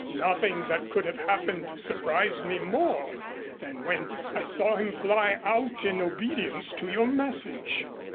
Nothing that could have happened surprised me more than when I saw him fly out in obedience to your message.